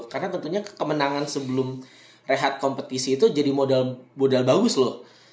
karena tentunya kemenangan sebelum rehat kompetisi itu jadi modal bagus loh